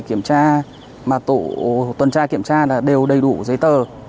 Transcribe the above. kiểm tra mà tổ tuần tra kiểm tra là đều đầy đủ giấy tờ